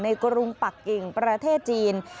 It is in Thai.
ในกระโลงปักกิ่งประเทศจีน